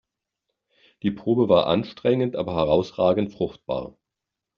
Die Probe war anstrengend aber herausragend fruchtbar.